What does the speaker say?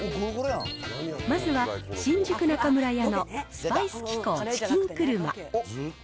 まずは新宿中村屋のスパイス紀行チキンクルマ。